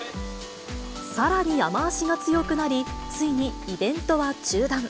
さらに雨足が強くなり、ついにイベントは中断。